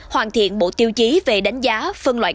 hoàn thiện bộ tiêu chí về đánh giá phân loại